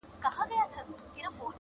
د کرونا ویري نړۍ اخیستې-